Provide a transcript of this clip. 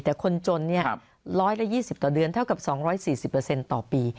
แต่คนจนเนี่ยร้อยละ๒๐ต่อเดือนเท่ากับ๒๔๐ต่อปี